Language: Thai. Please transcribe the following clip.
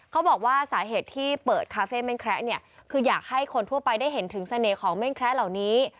เขาบอกว่าสาเหตุที่เปิดคาเฟ่เม่นแคระเนี่ยคืออยากให้คนทั่วไปได้เห็นถึงเสน่ห์ของแม่งแคระเหล่านี้